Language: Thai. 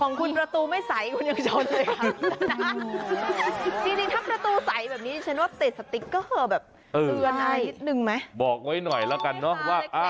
ของคุณประตูไม่ใสคุณยังชนเลยครับ